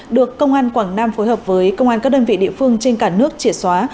được công an quảng nam phối hợp với công an các đơn vị địa phương trên cả nước chỉa xóa